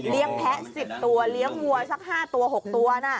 เรียกแพ้๑๐ตัวเรียกวัวซัก๕ตัว๖ตัวน่ะ